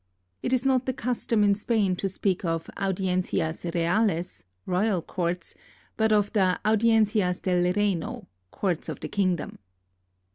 It is not the custom in Spain to speak of audiencias reales, royal courts, but of the audiencias del Reino, courts of the kingdom.